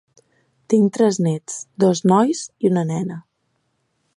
Tinc tres néts, dos nois i una nena.